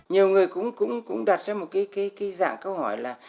nhiều người cũng đặt ra một cái dạng câu hỏi là